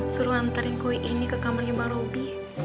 suruh anterin kue ini ke kamarnya bang robi